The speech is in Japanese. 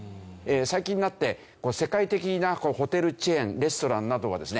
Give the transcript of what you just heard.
最近になって世界的なホテルチェーンレストランなどがですね